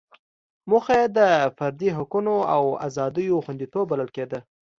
موخه یې د فردي حقوقو او ازادیو خوندیتوب بلل کېده.